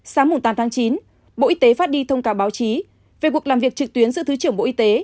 sáng tám tháng chín bộ y tế phát đi thông cáo báo chí về cuộc làm việc trực tuyến giữa thứ trưởng bộ y tế